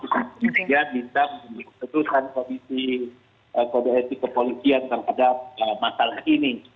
kita bisa menceturkan kode etik kepolisian terhadap masalah ini